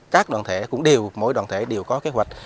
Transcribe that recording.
các đoàn thể cũng đều mỗi đoàn thể đều có kế hoạch